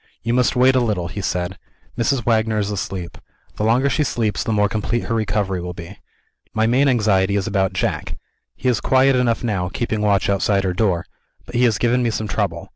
"You must wait a little," he said. "Mrs. Wagner is asleep. The longer she sleeps the more complete her recovery will be. My main anxiety is about Jack. He is quiet enough now, keeping watch outside her door; but he has given me some trouble.